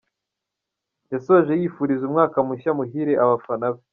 Yasoje yifuriza umwaka mushya muhire abafana be.